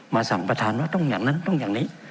สั่งประธานว่าต้องอย่างนั้นต้องอย่างนี้